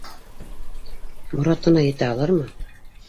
Моратына етә алырмы?